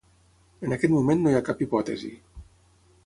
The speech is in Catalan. En aquest moment no hi ha cap hipòtesi.